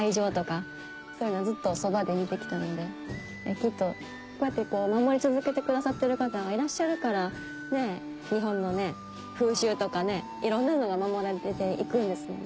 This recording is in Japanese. きっとこうやって守り続けてくださってる方がいらっしゃるから日本の風習とかいろんなのが守られて行くんですもんね。